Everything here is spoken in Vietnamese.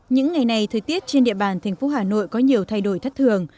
những ngày này thời tiết trên địa bàn thành phố hà nội có nhiều thay đổi thất thường